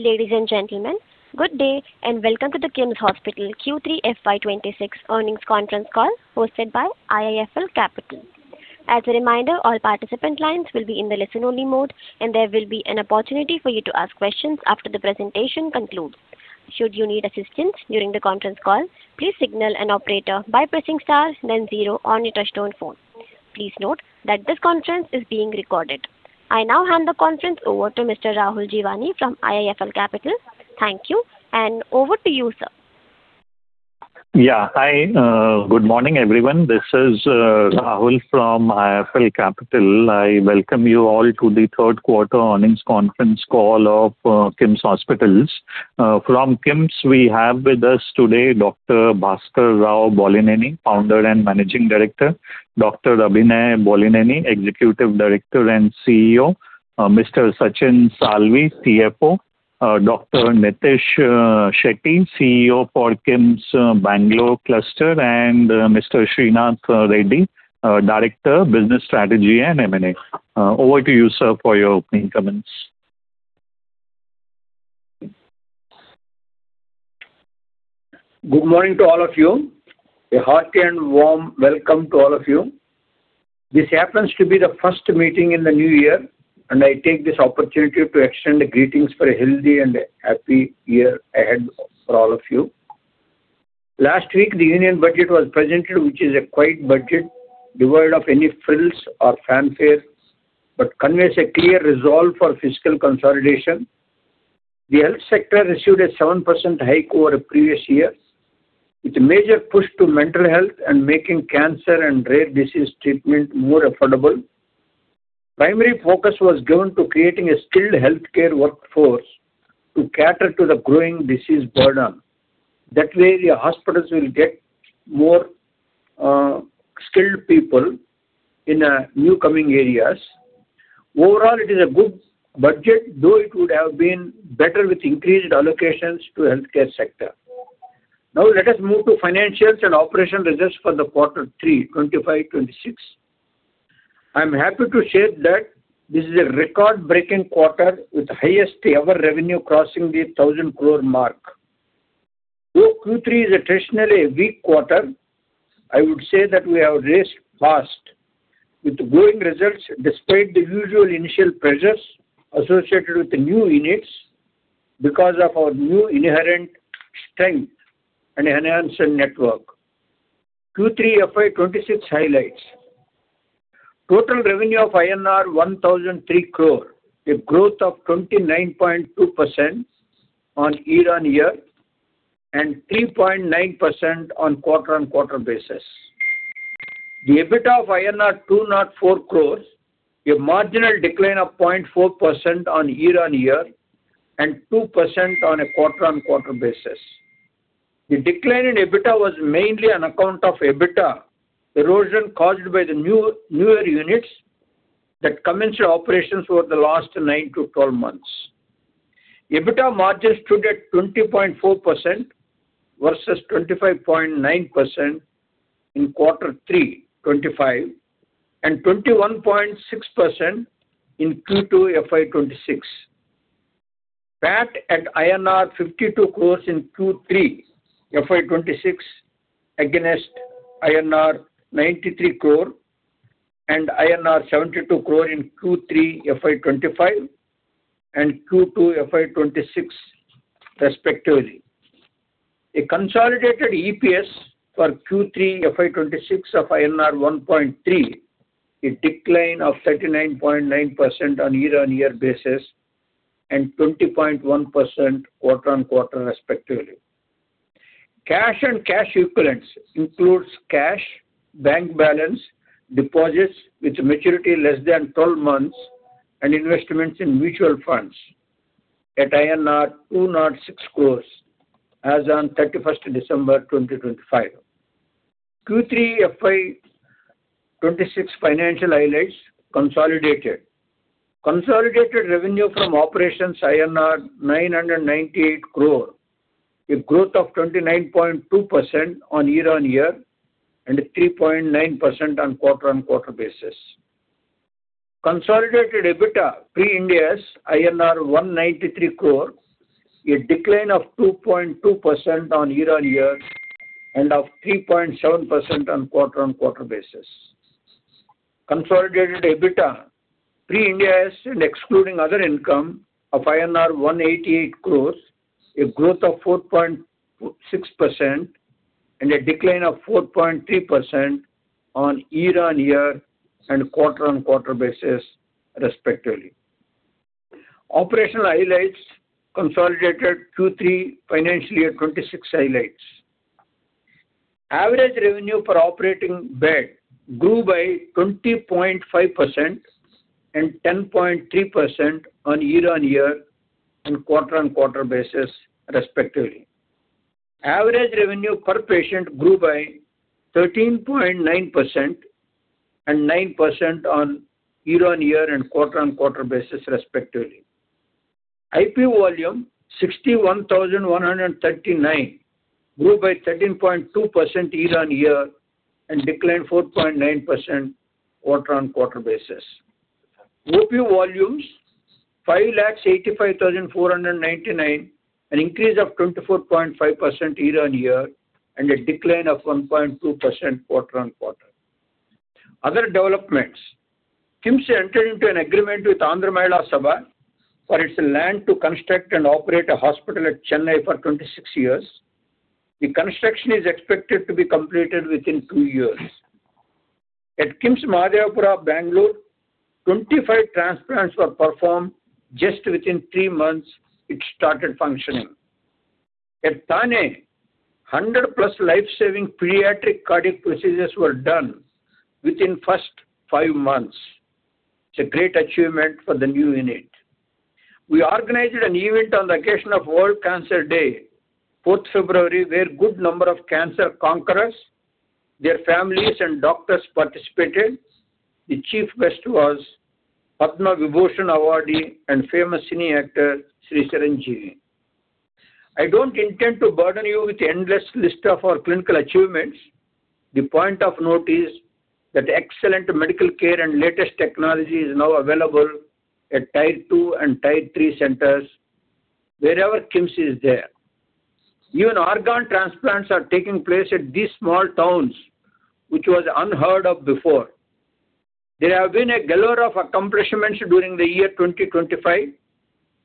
Ladies and gentlemen, good day and welcome to the KIMS Hospitals Q3 FY 2026 earnings conference call hosted by IIFL Capital. As a reminder, all participant lines will be in the listen-only mode, and there will be an opportunity for you to ask questions after the presentation concludes. Should you need assistance during the conference call, please signal an operator by pressing * then 0 on your touch-tone phone. Please note that this conference is being recorded. I now hand the conference over to Mr. Rahul Jeewani from IIFL Capital. Thank you, and over to you, sir. Yeah, hi, good morning everyone. This is Rahul from IIFL Capital. I welcome you all to the third-quarter earnings conference call of KIMS Hospitals. From KIMS, we have with us today Dr. Bhaskar Rao Bollineni, Founder and Managing Director, Dr. Abhinay Bollineni, Executive Director and CEO, Mr. Sachin Salvi, CFO, Dr. Nitesh Shetty, CEO for KIMS Bangalore Cluster, and Mr. Srinath Reddy, Director, Business Strategy, and M&A. Over to you, sir, for your opening comments. Good morning to all of you. A hearty and warm welcome to all of you. This happens to be the first meeting in the new year, and I take this opportunity to extend greetings for a healthy and happy year ahead for all of you. Last week, the Union Budget was presented, which is a quiet budget devoid of any frills or fanfare, but conveys a clear resolve for fiscal consolidation. The health sector received a 7% hike over the previous year, with a major push to mental health and making cancer and rare disease treatment more affordable. Primary focus was given to creating a skilled healthcare workforce to cater to the growing disease burden. That way, the hospitals will get more skilled people in the newcoming areas. Overall, it is a good budget, though it would have been better with increased allocations to the healthcare sector. Now, let us move to financials and operation results for quarter three, 2025-2026. I'm happy to share that this is a record-breaking quarter, with the highest ever revenue crossing the 1,000 crore mark. Though Q3 is traditionally a weak quarter, I would say that we have raced fast, with growing results despite the usual initial pressures associated with new units because of our new inherent strength and enhanced network. Q3 FY 2026 highlights: total revenue of INR 1,003 crore, a growth of 29.2% on year-on-year and 3.9% on quarter-on-quarter basis. The EBITDA of INR 204 crore, a marginal decline of 0.4% on year-on-year and 2% on a quarter-on-quarter basis. The decline in EBITDA was mainly on account of EBITDA erosion caused by the newer units that commenced operations over the last nine to 12 months. EBITDA margins stood at 20.4% versus 25.9% in quarter 3, 2025, and 21.6% in Q2 FY 2026. PAT at INR 52 crore in Q3 FY 2026 against INR 93 crore and INR 72 crore in Q3 FY 2025 and Q2 FY 2026, respectively. A consolidated EPS for Q3 FY 2026 of INR 1.3, a decline of 39.9% on year-on-year basis, and 20.1% quarter-on-quarter, respectively. Cash and cash equivalents include cash, bank balance, deposits with maturity less than 12 months, and investments in mutual funds at INR 206 crore as on December 31st, 2025. Q3 FY 2026, financial highlights: consolidated. Consolidated revenue from operations INR 998 crore, a growth of 29.2% on year-on-year and 3.9% on quarter-on-quarter basis. Consolidated EBITDA pre-Ind AS INR 193 crore, a decline of 2.2% on year-on-year and of 3.7% on quarter-on-quarter basis. Consolidated EBITDA pre-Ind AS and excluding other income of INR 188 crore, a growth of 4.6% and a decline of 4.3% on year-on-year and quarter-on-quarter basis, respectively. Operational highlights: consolidated Q3 financial year 26 highlights. Average revenue per operating bed grew by 20.5% and 10.3% on year-on-year and quarter-on-quarter basis, respectively. Average revenue per patient grew by 13.9% and 9% on year-on-year and quarter-on-quarter basis, respectively. IP volume 61,139 grew by 13.2% year-on-year and declined 4.9% quarter-on-quarter basis. OP volumes 585,499, an increase of 24.5% year-on-year and a decline of 1.2% quarter-on-quarter. Other developments: KIMS entered into an agreement with Andhra Mahila Sabha for its land to construct and operate a hospital at Chennai for 26 years. The construction is expected to be completed within two years. At KIMS Mahadevapura, Bangalore, 25 transplants were performed just within three months it started functioning. At Thane, 100+ life-saving pediatric cardiac procedures were done within the first five months. It's a great achievement for the new unit. We organized an event on the occasion of World Cancer Day, February 4th, where a good number of cancer conquerors, their families, and doctors participated. The chief guest was Padma Vibhushan awardee and famous cinema actor Shri Sarathkumar. I don't intend to burden you with an endless list of our clinical achievements. The point of note is that excellent medical care and latest technology is now available at Tier 2 and Tier 3 centers wherever KIMS is there. Even organ transplants are taking place at these small towns, which was unheard of before. There have been a galore of accomplishments during the year 2025.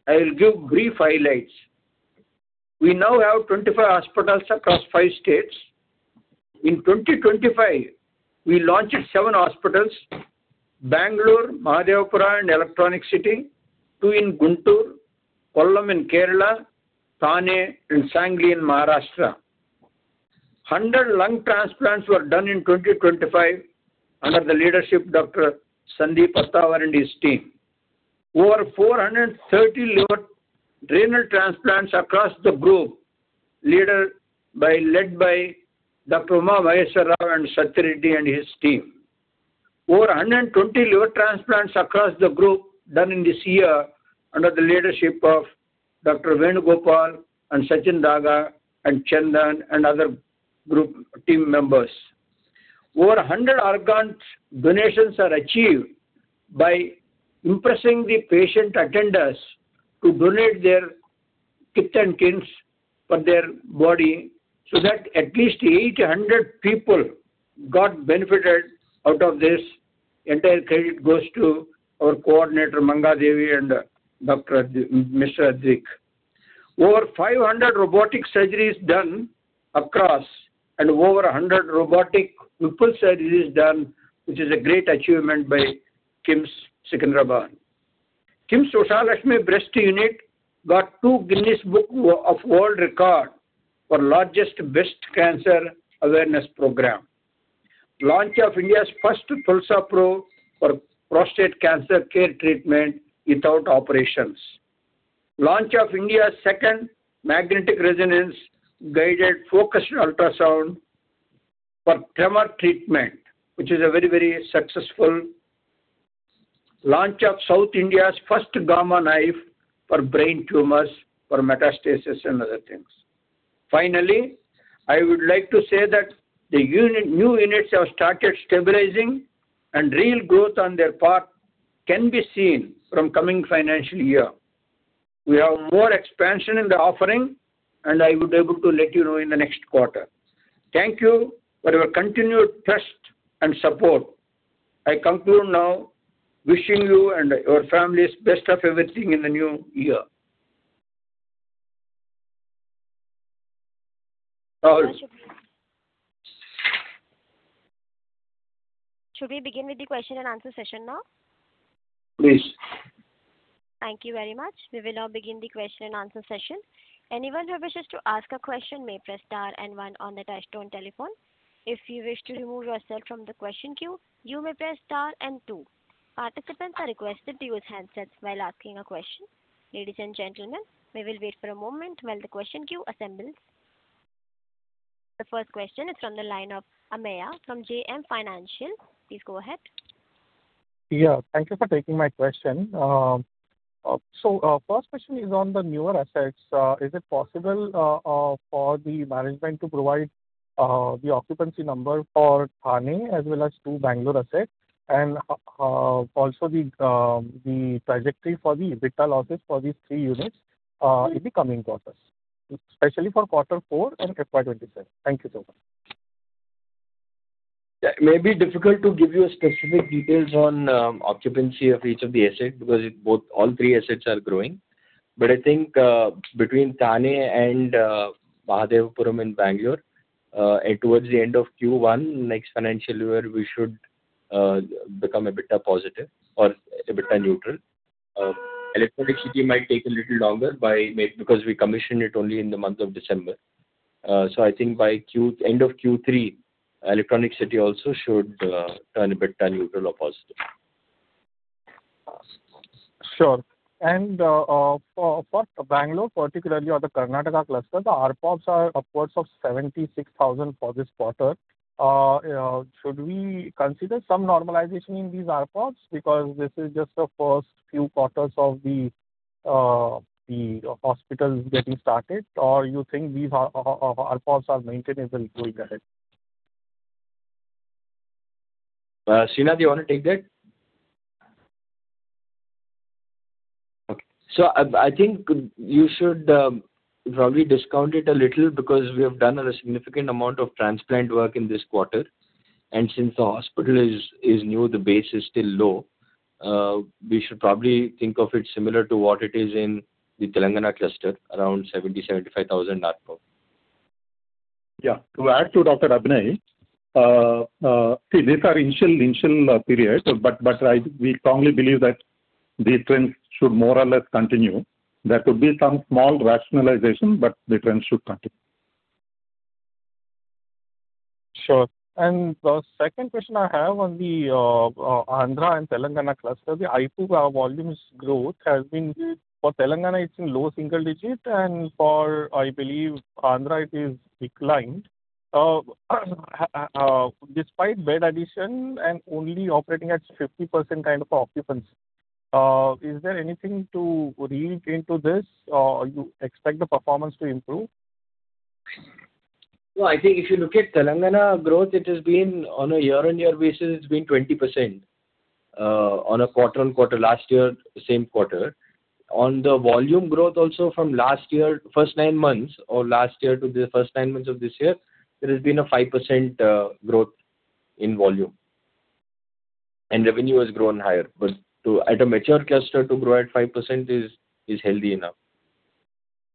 I will give brief highlights. We now have 25 hospitals across five states. In 2025, we launched seven hospitals: Bangalore, Mahadevapura, and Electronic City; two in Guntur, Kollam in Kerala; Thane, and Sangli in Maharashtra. 100 lung transplants were done in 2025 under the leadership of Dr. Sandeep Attawar and his team. Over 430 liver renal transplants across the group, led by Dr. Uma Maheswa Rao and Satya Reddy and his team. Over 120 liver transplants across the group done in this year under the leadership of Dr. Venkat Gopal and Sachin Daga and Chandan and other group team members. Over 100 organ donations are achieved by impressing the patient attenders to donate their kith and kin for their body so that at least 800 people got benefited out of this. Entire credit goes to our coordinator, Mangadevi, and Mr. Advik. Over 500 robotic surgeries done across and over 100 robotic Whipple surgeries done, which is a great achievement by KIMS Secunderabad. KIMS Ushalakshmi Breast Unit got two Guinness Book of World Records for largest breast cancer awareness program. Launch of India's first TULSA-PRO for prostate cancer care treatment without operations. Launch of India's second magnetic resonance-guided focused ultrasound for tremor treatment, which is very, very successful. Launch of South India's first Gamma Knife for brain tumors for metastasis and other things. Finally, I would like to say that the new units have started stabilizing, and real growth on their part can be seen from the coming financial year. We have more expansion in the offering, and I will be able to let you know in the next quarter. Thank you for your continued trust and support. I conclude now, wishing you and your families the best of everything in the new year. Rahul. Should we begin with the question-and-answer session now? Please. Thank you very much. We will now begin the question-and-answer session. Anyone who wishes to ask a question may press * and 1 on the touch-tone telephone. If you wish to remove yourself from the question queue, you may press * and 2. Participants are requested to use handsets while asking a question. Ladies and gentlemen, we will wait for a moment while the question queue assembles. The first question is from the line of Ameya from JM Financial. Please go ahead. Yeah, thank you for taking my question. So first question is on the newer assets. Is it possible for the management to provide the occupancy number for Thane as well as two Bangalore assets, and also the trajectory for the EBITDA losses for these 3 units in the coming quarters, especially for quarter four and FY 2027? Thank you so much. Yeah, it may be difficult to give you specific details on occupancy of each of the assets because all three assets are growing. But I think between Thane and Mahadevapura in Bangalore, towards the end of Q1, next financial year, we should become EBITDA positive or EBITDA neutral. Electronic City might take a little longer because we commissioned it only in the month of December. So I think by the end of Q3, Electronic City also should turn EBITDA neutral or positive. Sure. For Bangalore, particularly on the Karnataka cluster, the RPOPs are upwards of 76,000 for this quarter. Should we consider some normalization in these RPOPs because this is just the first few quarters of the hospitals getting started, or do you think these RPOPs are maintainable going ahead? Srinath, you want to take that? Okay. So I think you should probably discount it a little because we have done a significant amount of transplant work in this quarter. Since the hospital is new, the base is still low. We should probably think of it similar to what it is in the Telangana cluster, around 70,000-75,000 RPOPs. Yeah. To add to Dr. Abhinay, see, these are initial periods, but we strongly believe that these trends should more or less continue. There could be some small rationalization, but the trends should continue. Sure. And the second question I have on the Andhra and Telangana cluster, the IP volumes growth has been for Telangana, it's in low single digit, and for, I believe, Andhra, it is declined. Despite bed addition and only operating at 50% kind of occupancy, is there anything to read into this? You expect the performance to improve? Well, I think if you look at Telangana growth, it has been on a year-on-year basis, it's been 20% on a quarter-on-quarter last year, same quarter. On the volume growth also from last year, first nine months or last year to the first nine months of this year, there has been a 5% growth in volume. And revenue has grown higher. But at a mature cluster, to grow at 5% is healthy enough.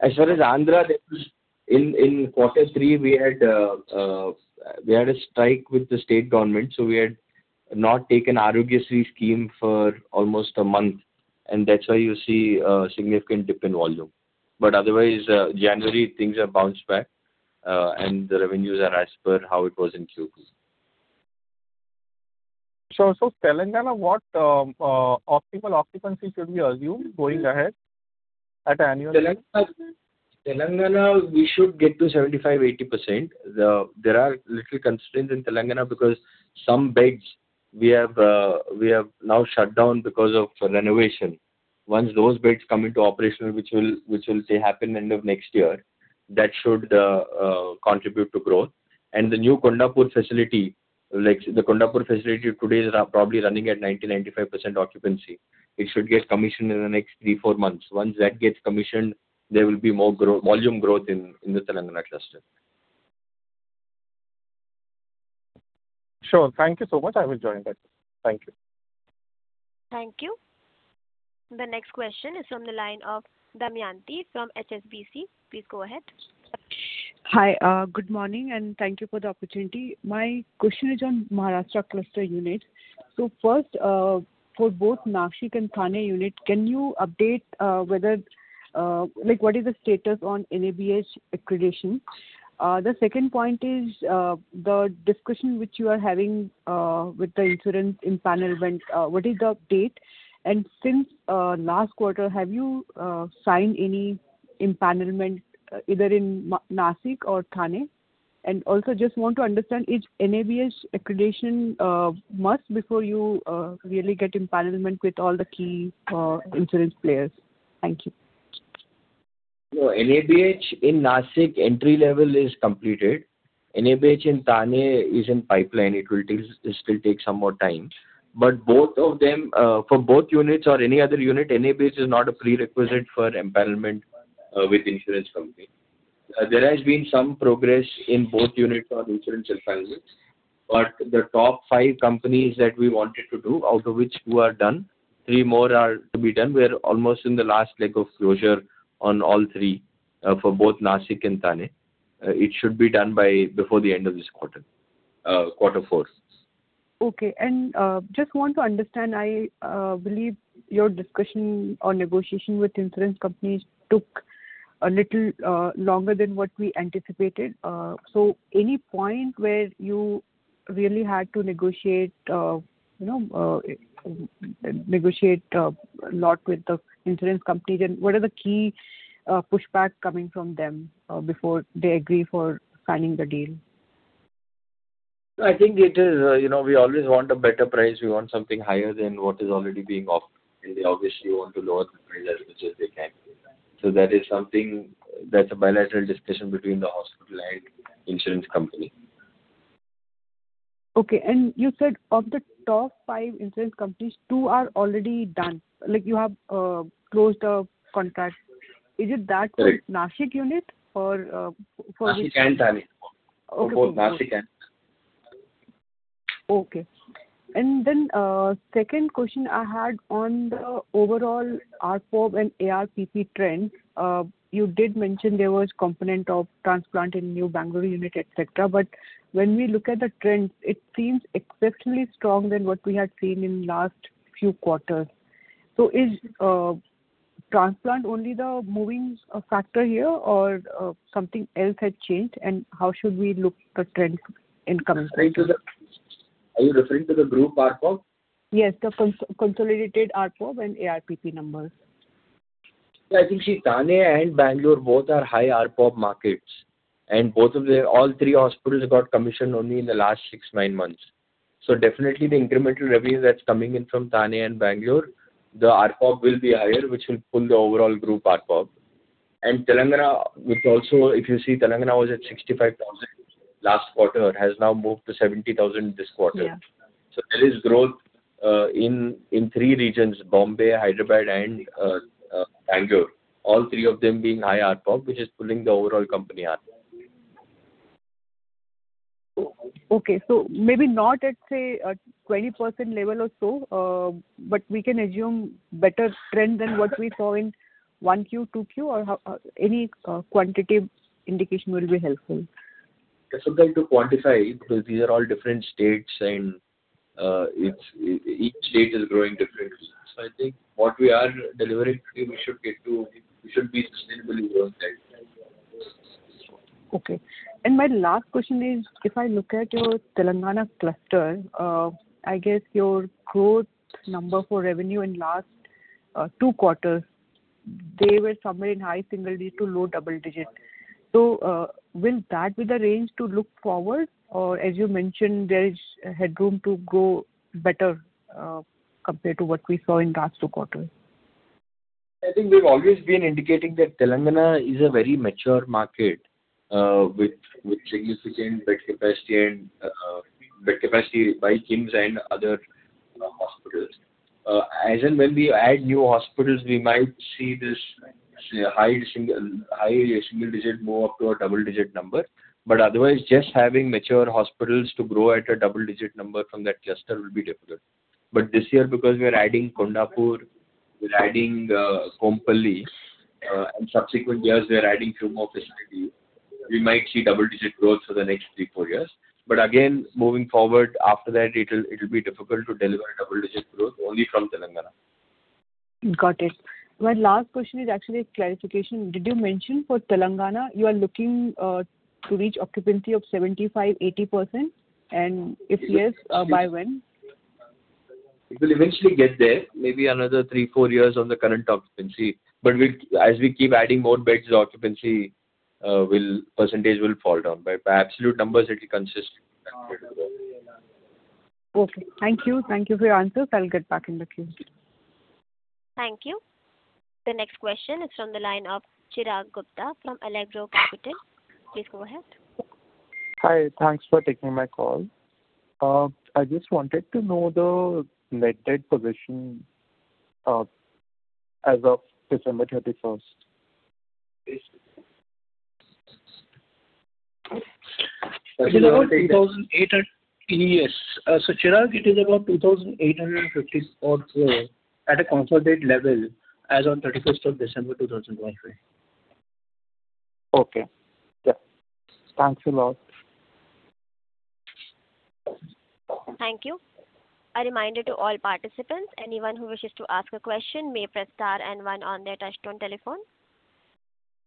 As far as Andhra, in quarter three, we had a strike with the state government, so we had not taken an Aarogyasri scheme for almost a month. And that's why you see a significant dip in volume. But otherwise, January, things have bounced back, and the revenues are as per how it was in Q2. Telangana, what optimal occupancy should we assume going ahead at annual? Telangana, we should get to 75%-80%. There are little constraints in Telangana because some beds we have now shut down because of renovation. Once those beds come into operational, which will happen end of next year, that should contribute to growth. And the new Kondapur facility, the Kondapur facility today is probably running at 90%-95% occupancy. It should get commissioned in the next three-four months. Once that gets commissioned, there will be more volume growth in the Telangana cluster. Sure. Thank you so much. I will join that. Thank you. Thank you. The next question is from the line of Damyanti from HSBC. Please go ahead. Hi. Good morning, and thank you for the opportunity. My question is on Maharashtra cluster units. So first, for both Nashik and Thane units, can you update what is the status on NABH accreditation? The second point is the discussion which you are having with the insurance empanelment, what is the date? And since last quarter, have you signed any empanelment either in Nashik or Thane? And also, just want to understand, is NABH accreditation must before you really get empanelment with all the key insurance players? Thank you. No, NABH in Nashik, entry level is completed. NABH in Thane is in pipeline. It will still take some more time. But for both units or any other unit, NABH is not a prerequisite for impanelment with insurance company. There has been some progress in both units on insurance impanelment. But the top five companies that we wanted to do, out of which two are done, three more are to be done. We are almost in the last leg of closure on all three for both Nashik and Thane. It should be done before the end of this quarter, quarter four. Okay. And just want to understand, I believe your discussion or negotiation with insurance companies took a little longer than what we anticipated. So any point where you really had to negotiate a lot with the insurance companies, and what are the key pushbacks coming from them before they agree for signing the deal? I think it is we always want a better price. We want something higher than what is already being offered. They obviously want to lower the price as much as they can. That is something that's a bilateral discussion between the hospital and insurance company. Okay. And you said of the top five insurance companies, two are already done. You have closed a contract. Is it that for Nashik unit or which? Nashik and Thane. Both Nashik and Thane. Okay. And then second question I had on the overall RPOP and ARPP trends, you did mention there was a component of transplant in New Bangalore unit, etc. But when we look at the trends, it seems exceptionally strong than what we had seen in the last few quarters. So is transplant only the moving factor here, or something else has changed? And how should we look at the trends in coming quarters? Are you referring to the group RPOP? Yes, the consolidated RPOP and ARPP numbers. Yeah, I think Thane and Bangalore both are high RPOP markets. All three hospitals got commissioned only in the last six-nine months. So definitely, the incremental revenue that's coming in from Thane and Bangalore, the RPOP will be higher, which will pull the overall group RPOP. And Telangana, which also, if you see, Telangana was at 65,000 last quarter, has now moved to 70,000 this quarter. So there is growth in three regions: Bombay, Hyderabad, and Bangalore, all three of them being high RPOP, which is pulling the overall company up. Okay. So maybe not at, say, a 20% level or so, but we can assume better trend than what we saw in 1Q, 2Q, or any quantitative indication will be helpful? Difficult to quantify because these are all different states, and each state is growing differently. So I think what we are delivering today, we should be sustainably growing that. Okay. My last question is, if I look at your Telangana cluster, I guess your growth number for revenue in the last two quarters, they were somewhere in high single digit to low double digit. So will that be the range to look forward? Or as you mentioned, there is headroom to grow better compared to what we saw in the last two quarters? I think we've always been indicating that Telangana is a very mature market with significant bed capacity by KIMS and other hospitals. As and when we add new hospitals, we might see this high single digit move up to a double digit number. But otherwise, just having mature hospitals to grow at a double digit number from that cluster will be difficult. But this year, because we are adding Kondapur, we're adding Kompally, and subsequent years, we are adding Kurnool facility, we might see double digit growth for the next three-four years. But again, moving forward after that, it'll be difficult to deliver double digit growth only from Telangana. Got it. My last question is actually a clarification. Did you mention for Telangana, you are looking to reach occupancy of 75%-80%? And if yes, by when? It will eventually get there, maybe another three-four years on the current occupancy. But as we keep adding more beds, the occupancy percentage will fall down. By absolute numbers, it will consist of that. Okay. Thank you. Thank you for your answers. I'll get back in the queue. Thank you. The next question is from the line of Chirag Gupta from Allegro Capital. Please go ahead. Hi. Thanks for taking my call. I just wanted to know the net debt position as of December 31st. It is about 2,800. Yes. So Chirag, it is about 2,850 or so at a consolidated level as on December 31st, 2023. Okay. Yeah. Thanks a lot. Thank you. A reminder to all participants, anyone who wishes to ask a question may press star and 1 on their touchtone telephone.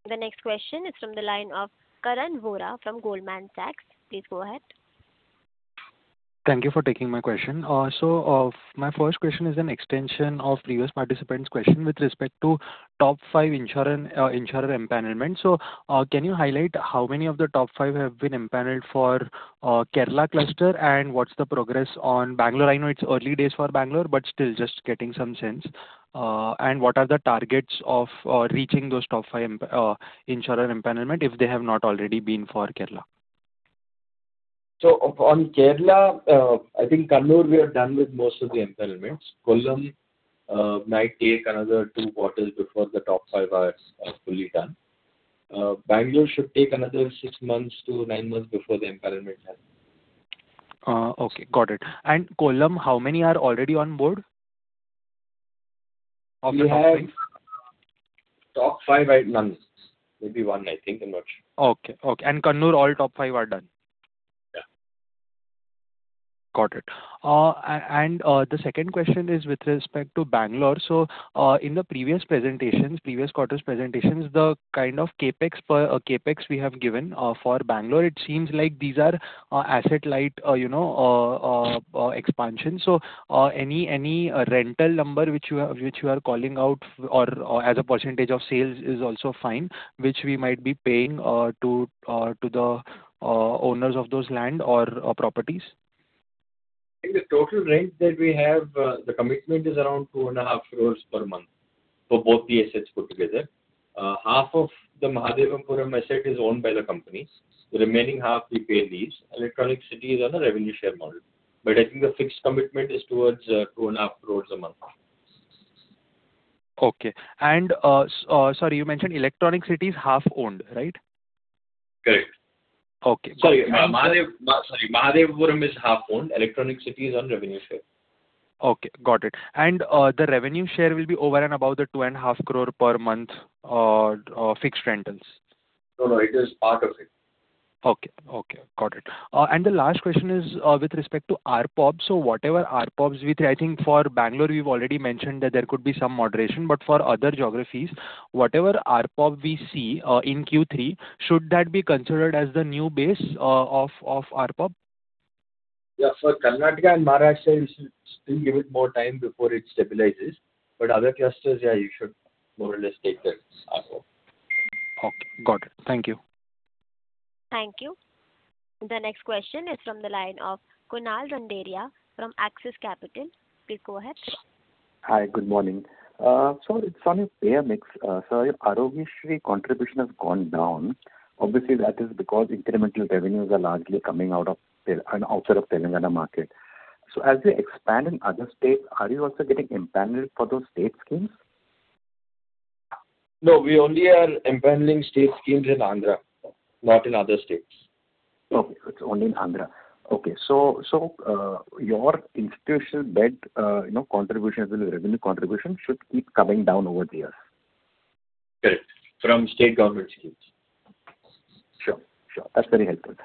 The next question is from the line of Karan Vora from Goldman Sachs. Please go ahead. Thank you for taking my question. My first question is an extension of previous participant's question with respect to top five insurer impanelment. Can you highlight how many of the top five have been impaneled for Kerala cluster, and what's the progress on Bangalore? I know it's early days for Bangalore, but still just getting some sense. What are the targets of reaching those top five insurer impanelment if they have not already been for Kerala? On Kerala, I think Kannur, we are done with most of the empanelments. Kollam might take another two quarters before the top five are fully done. Bangalore should take another six-nine months before the empanelment happens. Okay. Got it. And Kollam, how many are already on board of the top five? Top five, none. Maybe one, I think. I'm not sure. Okay. Okay. And Kannur, all top five are done? Yeah. Got it. And the second question is with respect to Bangalore. So in the previous quarters' presentations, the kind of CapEx we have given for Bangalore, it seems like these are asset-light expansions. So any rental number which you are calling out as a percentage of sales is also fine, which we might be paying to the owners of those land or properties? I think the total rent that we have, the commitment is around 2.5 crore per month for both the assets put together. Half of the Mahadevapura asset is owned by the companies. The remaining half, we pay lease. Electronic City is on a revenue share model. But I think the fixed commitment is towards 2.5 crore a month. Okay. Sorry, you mentioned Electronic City is half owned, right? Correct. Okay. Sorry. Sorry. Mahadevapura is half owned. Electronic City is on revenue share. Okay. Got it. And the revenue share will be over and above the 2.5 crore per month fixed rentals? No, no. It is part of it. Okay. Okay. Got it. And the last question is with respect to RPOP. So whatever RPOPs in Q3, I think for Bangalore, we've already mentioned that there could be some moderation. But for other geographies, whatever RPOP we see in Q3, should that be considered as the new base of RPOP? Yeah. For Karnataka and Maharashtra, we should still give it more time before it stabilizes. But other clusters, yeah, you should more or less take that as RPOP. Okay. Got it. Thank you. Thank you. The next question is from the line of Kunal Randeria from Axis Capital. Please go ahead. Hi. Good morning. Sorry, it's on your payer mix. So your Aarogyasri contribution has gone down. Obviously, that is because incremental revenues are largely coming out of and outside of Telangana market. So as we expand in other states, are you also getting impaneled for those state schemes? No, we only are impaneling state schemes in Andhra, not in other states. Okay. It's only in Andhra. Okay. So your institutional bed contribution as well as revenue contribution should keep coming down over the years. Correct. From state government schemes. Sure. Sure. That's very helpful.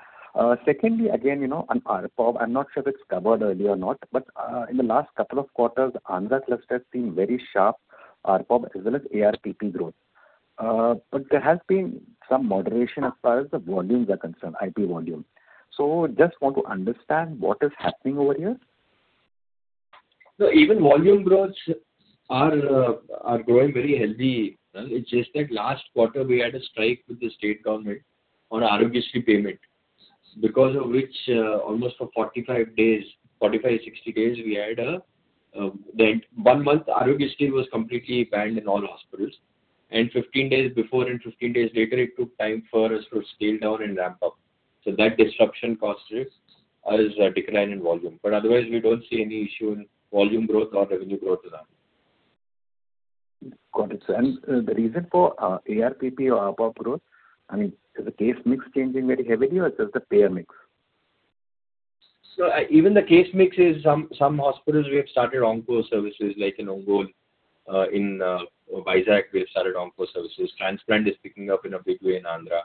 Secondly, again, on RPOP, I'm not sure if it's covered earlier or not. But in the last couple of quarters, Andhra cluster has seen very sharp RPOP as well as ARPP growth. But there has been some moderation as far as the volumes are concerned, IP volume. So just want to understand what is happening over here. No, even volume growths are growing very healthy. It's just that last quarter, we had a strike with the state government on Aarogyasri payment because of which, almost for 45 days, 45, 60 days, we had a then one month, Aarogyasri was completely banned in all hospitals. And 15 days before and 15 days later, it took time for us to scale down and ramp up. So that disruption caused us a decline in volume. But otherwise, we don't see any issue in volume growth or revenue growth in Andhra. Got it. And the reason for ARPP or RPOP growth, I mean, is the case mix changing very heavily, or is it just the payer mix? No, even the case mix is some hospitals, we have started on-call services like in Ongole. In Vizag, we have started on-call services. Transplant is picking up in a big way in Andhra.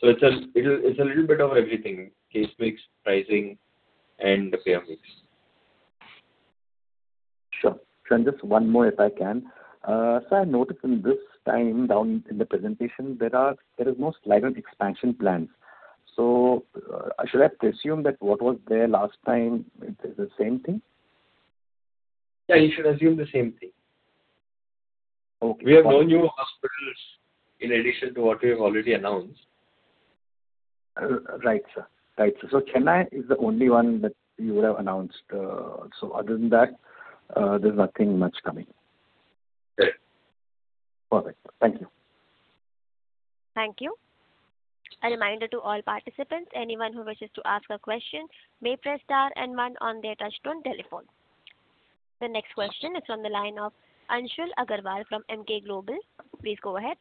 So it's a little bit of everything: case mix, pricing, and the payer mix. Sure. Sure. And just one more, if I can. So I noticed this time around in the presentation, there is no slide on expansion plans. So should I presume that what was there last time, it is the same thing? Yeah, you should assume the same thing. We have no new hospitals in addition to what we have already announced. Right, sir. Right, sir. So Chennai is the only one that you would have announced. So other than that, there's nothing much coming. Perfect. Thank you. Thank you. A reminder to all participants, anyone who wishes to ask a question may press star and 1 on their touch-tone telephone. The next question is from the line of Anshul Agrawal from MK Global. Please go ahead.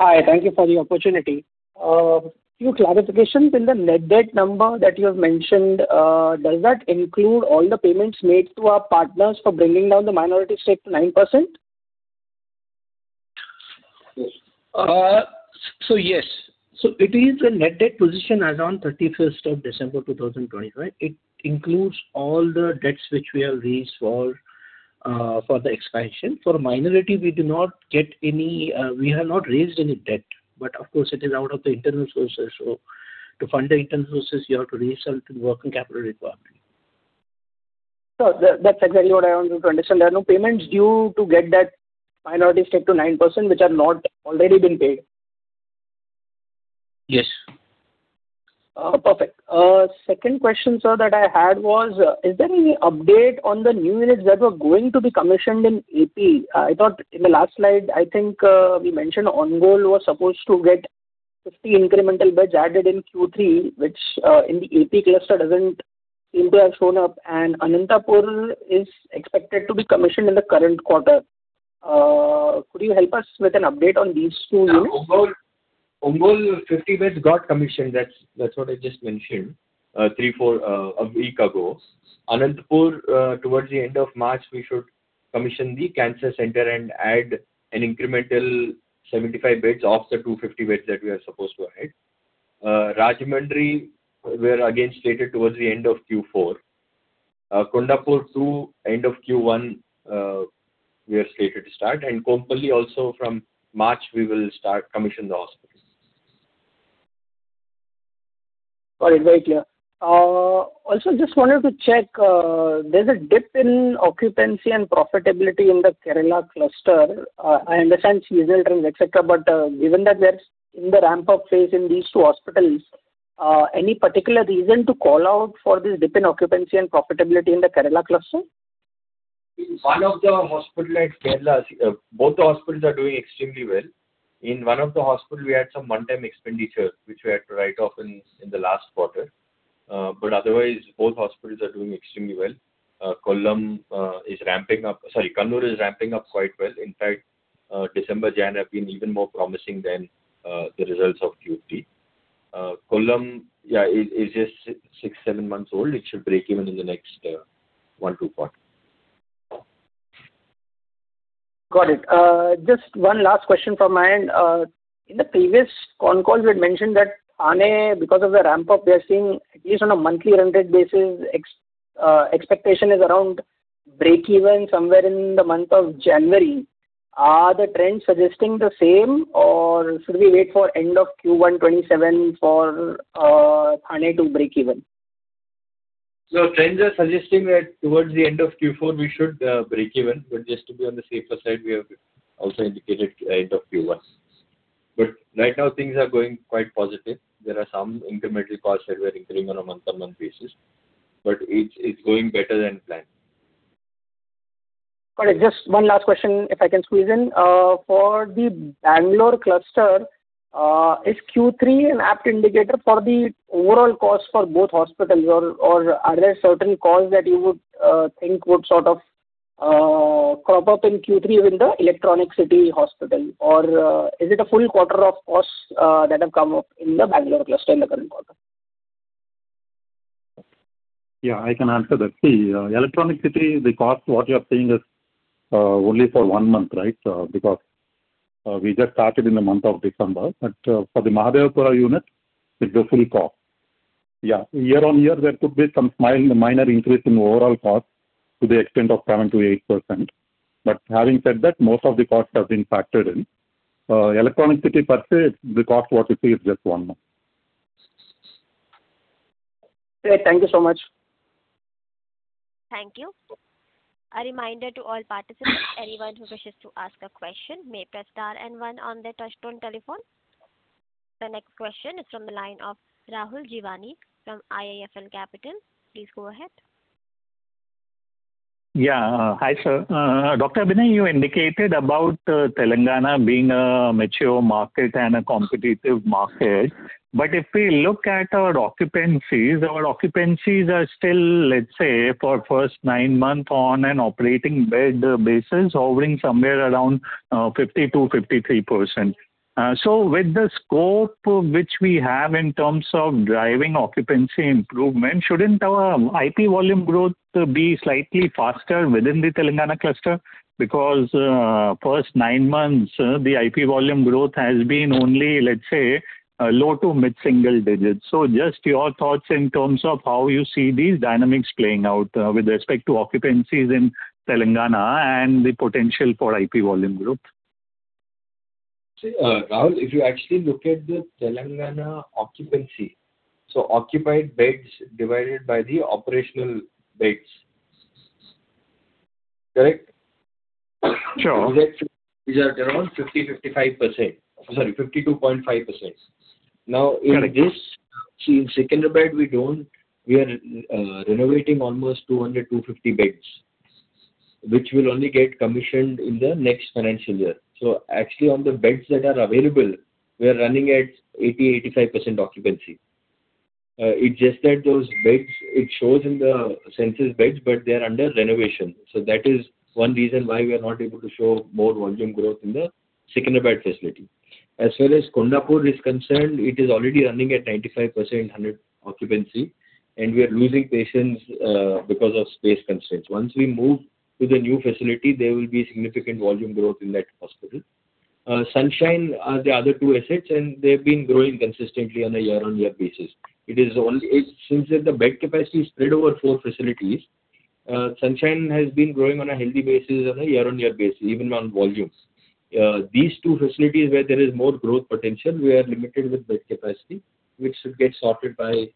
Hi. Thank you for the opportunity. A few clarifications. In the net debt number that you have mentioned, does that include all the payments made to our partners for bringing down the minority stake to 9%? So yes. It is a net debt position as on December 31st, 2025. It includes all the debts which we have raised for the expansion. For minority, we do not get any. We have not raised any debt. But of course, it is out of the internal sources. So to fund the internal sources, you have to raise some working capital requirement. That's exactly what I wanted to understand. There are no payments due to get that minority stake to 9% which have not already been paid? Yes. Perfect. Second question, sir, that I had was, is there any update on the new units that were going to be commissioned in AP? I thought in the last slide, I think we mentioned Ongole was supposed to get 50 incremental beds added in Q3, which in the AP cluster doesn't seem to have shown up. And Anantapur is expected to be commissioned in the current quarter. Could you help us with an update on these two units? Ongole 50 beds got commissioned. That's what I just mentioned a week ago. Anantapur, towards the end of March, we should commission the cancer center and add an incremental 75 beds off the 250 beds that we are supposed to add. Rajahmundry, we are again slated towards the end of Q4. Kondapur, through end of Q1, we are slated to start. And Kompalli also, from March, we will start commissioning the hospitals. Got it. Very clear. Also, just wanted to check, there's a dip in occupancy and profitability in the Kerala cluster. I understand seasonal trends, etc. But given that we are in the ramp-up phase in these two hospitals, any particular reason to call out for this dip in occupancy and profitability in the Kerala cluster? In one of the hospitals at Kerala, both the hospitals are doing extremely well. In one of the hospitals, we had some one-time expenditure which we had to write off in the last quarter. But otherwise, both hospitals are doing extremely well. Kannur is ramping up quite well. In fact, December, January have been even more promising than the results of Q3. Kollam, yeah, is just six-seven months old. It should break even in the next one-two quarters. Got it. Just one last question from my end. In the previous phone calls, we had mentioned that Anantapur, because of the ramp-up, we are seeing at least on a monthly rented basis, expectation is around break-even somewhere in the month of January. Are the trends suggesting the same, or should we wait for end of Q1 2027 for Anantapur to break-even? So trends are suggesting that towards the end of Q4, we should break-even. But just to be on the safer side, we have also indicated end of Q1. But right now, things are going quite positive. There are some incremental costs that we are incurring on a month-on-month basis. But it's going better than planned. Got it. Just one last question, if I can squeeze in. For the Bangalore cluster, is Q3 an apt indicator for the overall costs for both hospitals, or are there certain costs that you would think would sort of crop up in Q3 within the Electronic City hospital? Or is it a full quarter of costs that have come up in the Bangalore cluster in the current quarter? Yeah, I can answer that. See, Electronic City, the cost, what you are seeing is only for one month, right, because we just started in the month of December. But for the Mahadevapura unit, it's the full cost. Yeah. Year-on-year, there could be some minor increase in overall costs to the extent of 7%-8%. But having said that, most of the costs have been factored in. Electronic City per se, the cost what you see is just one month. Great. Thank you so much. Thank you. A reminder to all participants, anyone who wishes to ask a question may press star and 1 on their touch-tone telephone. The next question is from the line of Rahul Jeewani from IIFL Capital. Please go ahead. Yeah. Hi, sir. Dr. Abhinay, you indicated about Telangana being a mature market and a competitive market. But if we look at our occupancies, our occupancies are still, let's say, for first nine months on an operating bed basis, hovering somewhere around 50%-53%. So with the scope which we have in terms of driving occupancy improvement, shouldn't our IP volume growth be slightly faster within the Telangana cluster? Because first nine months, the IP volume growth has been only, let's say, low to mid-single digits. So just your thoughts in terms of how you see these dynamics playing out with respect to occupancies in Telangana and the potential for IP volume growth? See, Rahul, if you actually look at the Telangana occupancy, so occupied beds divided by the operational beds, correct? Sure. These are around 50%-55%. Sorry, 52%.5%. Now, in this secondary bed, we are renovating almost 200-250 beds which will only get commissioned in the next financial year. So actually, on the beds that are available, we are running at 80%-85% occupancy. It's just that those beds, it shows in the census beds, but they are under renovation. So that is one reason why we are not able to show more volume growth in the secondary bed facility. As well as Kondapur is concerned, it is already running at 95%-100% occupancy. And we are losing patients because of space constraints. Once we move to the new facility, there will be significant volume growth in that hospital. Sunshine are the other two assets, and they have been growing consistently on a year-on-year basis. Since the bed capacity is spread over four facilities, Sunshine has been growing on a healthy basis, on a year-on-year basis, even on volumes. These two facilities where there is more growth potential, we are limited with bed capacity which should get sorted by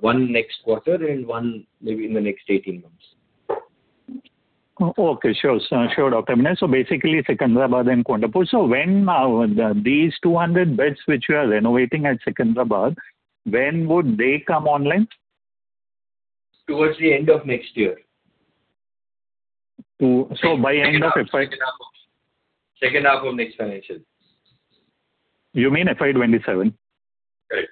one next quarter and one maybe in the next 18 months. Okay. Sure, sir. Sure, Dr. Abhinay. So basically, Secunderabad and Kondapur. So when these 200 beds which we are renovating at Secunderabad, when would they come online? Towards the end of next year. So by end of FY? Second half of next financial. You mean FY 2027? Correct.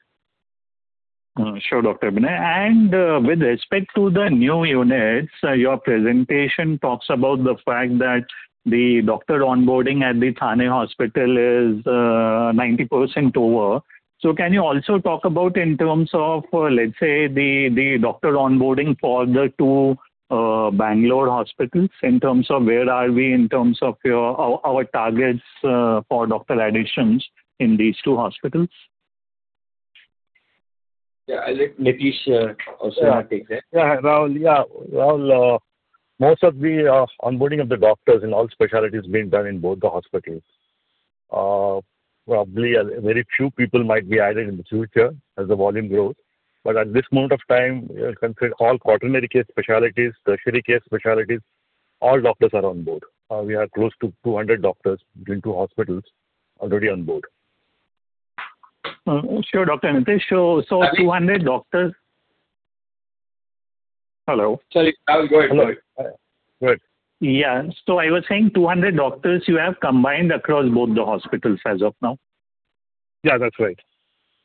Sure, Dr. Abhinay. And with respect to the new units, your presentation talks about the fact that the doctor onboarding at the Thane hospital is 90% over. So can you also talk about in terms of, let's say, the doctor onboarding for the two Bangalore hospitals in terms of where are we in terms of our targets for doctor additions in these two hospitals? Yeah. Let Nitish also take that. Yeah, Rahul. Yeah, Rahul, most of the onboarding of the doctors in all specialties has been done in both the hospitals. Probably very few people might be added in the future as the volume grows. But at this moment of time, consider all quaternary case specialties, tertiary case specialties; all doctors are on board. We are close to 200 doctors in two hospitals already on board. Sure, Dr. Nitish. So 200 doctors? Hello? Sorry. Rahul, go ahead. Yeah. So I was saying 200 doctors you have combined across both the hospitals as of now? Yeah, that's right.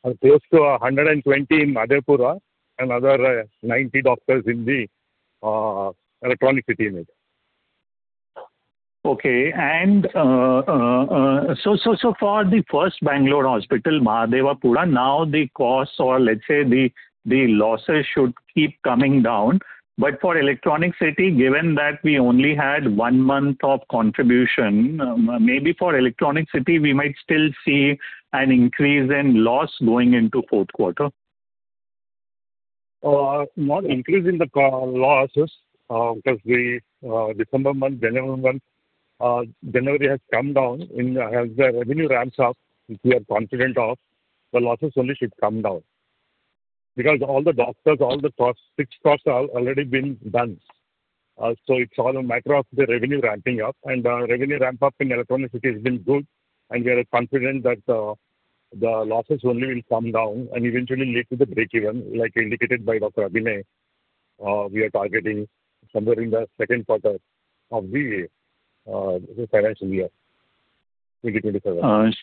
And close to 120 in Mahadevapura and another 90 doctors in the Electronic City unit. Okay. And so far the first Bangalore hospital, Mahadevapura, now the costs or let's say the losses should keep coming down. But for Electronic City, given that we only had one month of contribution, maybe for Electronic City, we might still see an increase in loss going into fourth quarter. No increase in the losses because December month, January month, January has come down. As the revenue ramps up, which we are confident of, the losses only should come down because all the doctors, all the costs, fixed costs have already been done. So it's all a matter of the revenue ramping up. And the revenue ramp-up in Electronic City has been good. And we are confident that the losses only will come down and eventually lead to the break-even. Like indicated by Dr. Abhinay, we are targeting somewhere in the second quarter of the financial year, 2027.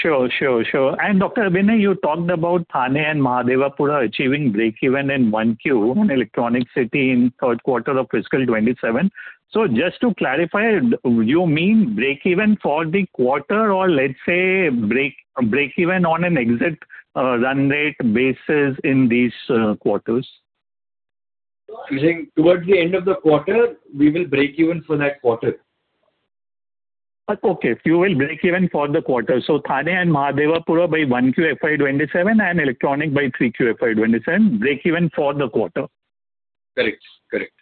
Sure, sure, sure. And Dr. Abhinay, you talked about Thane and Mahadevapura achieving break-even in 1Q and Electronic City in third quarter of fiscal 2027. So just to clarify, you mean break-even for the quarter or let's say break-even on an exit run rate basis in these quarters? You're saying towards the end of the quarter, we will break even for that quarter. Okay. You will break-even for the quarter. So Thane and Mahadevapura by 1Q FY 2027 and Electronic City by 3Q FY 2027, break-even for the quarter. Correct. Correct.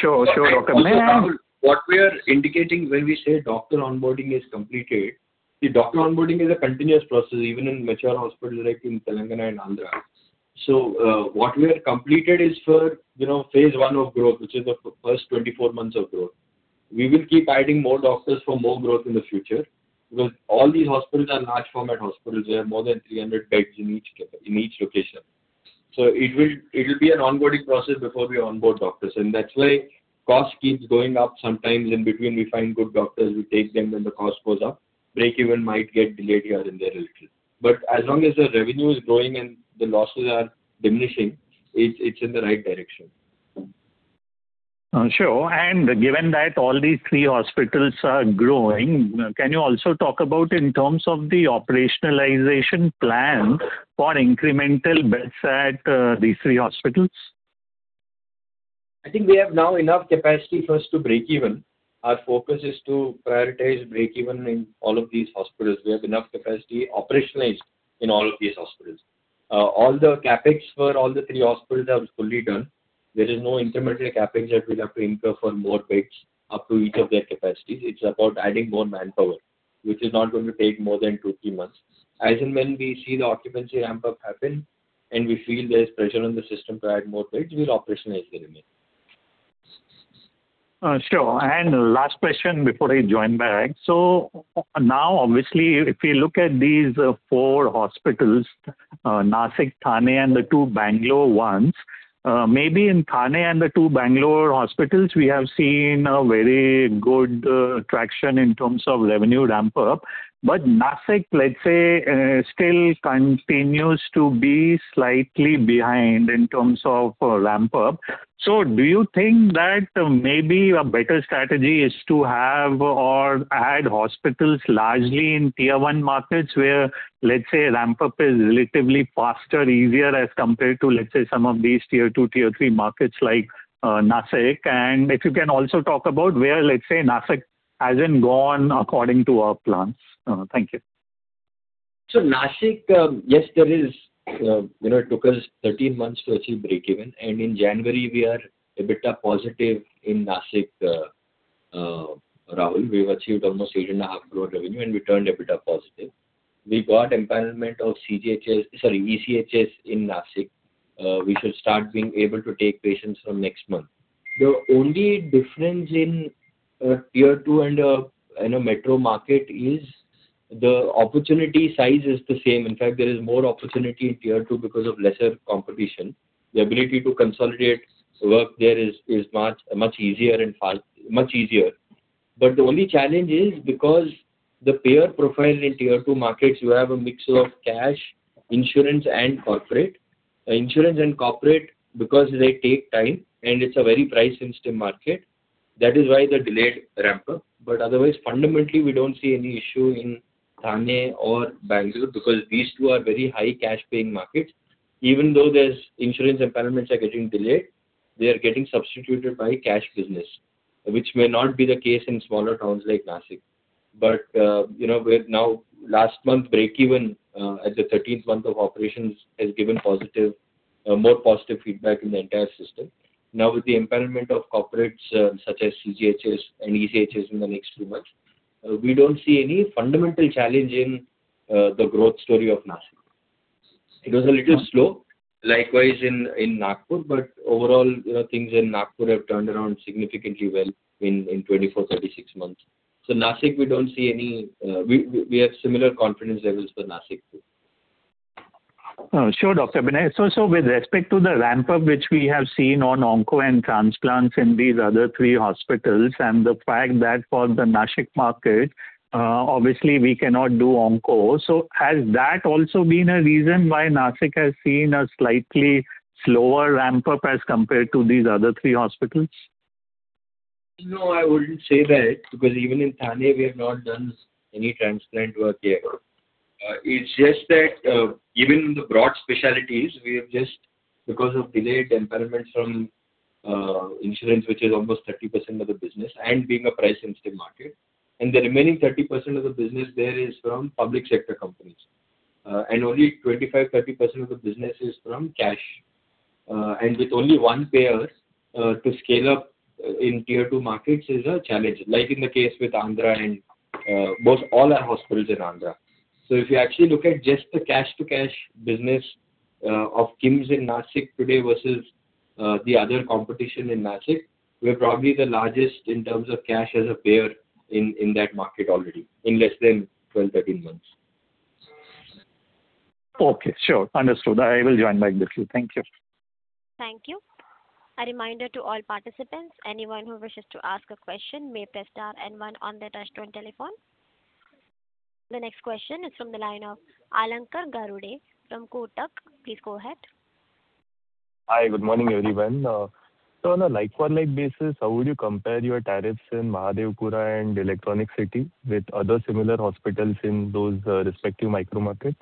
Sure, sure, Dr. Abhinay. So, Rahul, what we are indicating when we say doctor onboarding is completed, the doctor onboarding is a continuous process even in mature hospitals like in Telangana and Andhra. So what we have completed is for phase one of growth, which is the first 24 months of growth. We will keep adding more doctors for more growth in the future because all these hospitals are large-format hospitals. We have more than 300 beds in each location. So it will be an onboarding process before we onboard doctors. And that's why cost keeps going up. Sometimes in between, we find good doctors. We take them, then the cost goes up. Break-even might get delayed here and there a little. But as long as the revenue is growing and the losses are diminishing, it's in the right direction. Sure. Given that all these three hospitals are growing, can you also talk about in terms of the operationalization plan for incremental beds at these three hospitals? I think we have now enough capacity first to break-even. Our focus is to prioritize break-even in all of these hospitals. We have enough capacity operationalized in all of these hospitals. All the CapEx for all three hospitals are fully done. There is no incremental CapEx that we'll have to incur for more beds up to each of their capacities. It's about adding more manpower, which is not going to take more than two-three months. As and when we see the occupancy ramp-up happen and we feel there is pressure on the system to add more beds, we'll operationalize the remainder. Sure. And last question before I join back. So now, obviously, if we look at these four hospitals, Nashik, Thane, and the two Bangalore ones, maybe in Thane and the two Bangalore hospitals, we have seen a very good traction in terms of revenue ramp-up. But Nashik, let's say, still continues to be slightly behind in terms of ramp-up. So do you think that maybe a better strategy is to have or add hospitals largely in tier one markets where, let's say, ramp-up is relatively faster, easier as compared to, let's say, some of these tier two, tier three markets like Nashik? And if you can also talk about where, let's say, Nashik hasn't gone according to our plans. Thank you. So Nashik, yes, it took us 13 months to achieve break-even. And in January, we are EBITDA positive in Nashik, Rahul. We have achieved almost 8.5 crore revenue, and we turned EBITDA positive. We got empanelment of CGHS, sorry, ECHS in Nashik. We should start being able to take patients from next month. The only difference in tier two and a metro market is the opportunity size is the same. In fact, there is more opportunity in tier two because of lesser competition. The ability to consolidate work there is much easier and much easier. But the only challenge is because the payer profile in tier two markets, you have a mix of cash, insurance, and corporate. Insurance and corporate, because they take time and it's a very price-sensitive market, that is why the delayed ramp-up. But otherwise, fundamentally, we don't see any issue in Thane or Bangalore because these two are very high-cash-paying markets. Even though insurance empowerments are getting delayed, they are getting substituted by cash business, which may not be the case in smaller towns like Nashik. But now, last month, break-even at the 13th month of operations has given more positive feedback in the entire system. Now, with the empowerment of corporates such as CGHS and ECHS in the next few months, we don't see any fundamental challenge in the growth story of Nashik. It was a little slow, likewise in Nagpur. But overall, things in Nagpur have turned around significantly well in 24, 36 months. So Nashik, we don't see any we have similar confidence levels for Nashik too. Sure, Dr. Abhinay. So with respect to the ramp-up which we have seen on ONCO and transplants in these other three hospitals and the fact that for the Nashik market, obviously, we cannot do ONCO. So has that also been a reason why Nashik has seen a slightly slower ramp-up as compared to these other three hospitals? No, I wouldn't say that because even in Thane, we have not done any transplant work here. It's just that even in the broad specialties, we have just because of delayed empowerments from insurance, which is almost 30% of the business and being a price-sensitive market. And the remaining 30% of the business there is from public sector companies. And only 25%-30% of the business is from cash. And with only one payer to scale up in tier two markets is a challenge, like in the case with Andhra and all our hospitals in Andhra. So if you actually look at just the cash-to-cash business of KIMS in Nashik today versus the other competition in Nashik, we're probably the largest in terms of cash as a payer in that market already in less than 12-13 months. Okay. Sure. Understood. I will join back with you. Thank you. Thank you. A reminder to all participants, anyone who wishes to ask a question may press star and 1 on their touch-tone telephone. The next question is from the line of Alankar Garude from Kotak. Please go ahead. Hi. Good morning, everyone. So on a like-for-like basis, how would you compare your tariffs in Mahadevapura and Electronic City with other similar hospitals in those respective micro markets?